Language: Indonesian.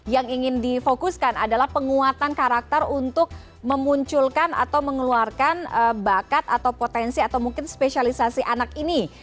yang ingin difokuskan adalah penguatan karakter untuk memunculkan atau mengeluarkan bakat atau potensi atau mungkin spesialisasi anak ini